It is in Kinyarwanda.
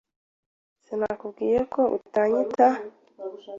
Sinakubwiye ko utanyita ?